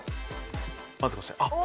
まずこちら！